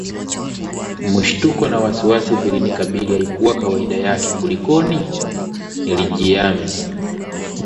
Mshutuko na wasiwasi vilinikabiri haikuwa kawaida yake kulikoni?!! nilijihami